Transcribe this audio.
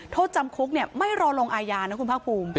โทษจำคุกไม่รอลงอาญานะคุณภาคภูมิ